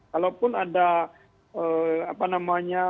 walaupun ada apa namanya